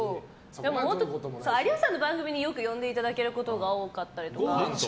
でも本当有吉さんの番組によく呼んでいただけることが多かったりとか。